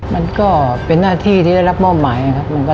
มันก็เป็นหน้าที่ที่ได้รับมอบหมายครับ